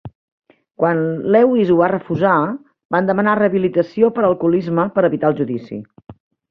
Quan Lewis ho va refusar, van demanar rehabilitació per alcoholisme per evitar el judici.